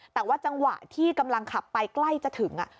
แต่ว่าจังหวะที่กำลังขับไปใกล้จะถึง